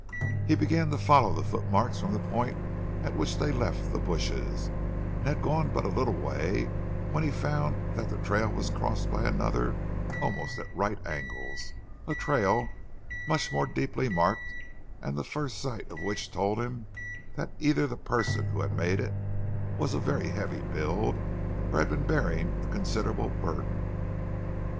He began to follow the footmarks from the point at which they left the bushes, and had gone but a little way when he found that the trail was crossed by another almost at right angles, a trail much more deeply marked and the first sight of which told him that either the person who had made it was of very heavy build, or had been bearing a considerable burden.